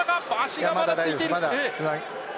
足がまだついている。